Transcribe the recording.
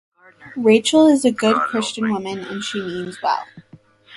Rachel is a good Christian woman and she means well.